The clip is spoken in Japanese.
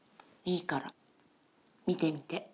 いいから見てみて。